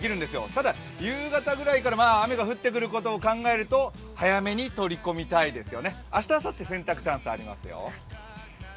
ただ夕方ぐらいから雨が降ってくることを考えると早めに取り込みたいです。